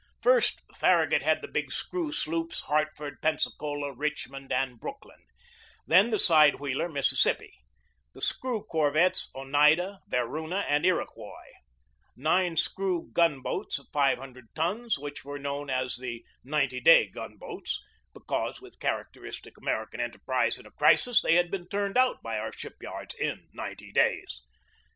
First, Farragut had the big screw sloops Hart ford, Pensacola, Richmond, and Brooklyn; then the side wheeler Mississippi; the screw corvettes Oneida, Feruna, and Iroquois; nine screw gun boats of five hundred tons, which were known as the "ninety day gun boats," because, with characteristic American en terprise in a crisis, they had been turned out by our ship yards in ninety days.